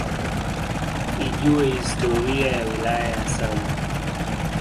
Ijue historia ya wilaya ya same